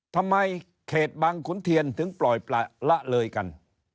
ทำไมเขตบางขุนเทียนถึงปล่อยปล่าละเลยกัน